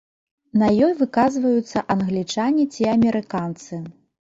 На ёй выказваюцца англічане ці амерыканцы.